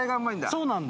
そうなんだ。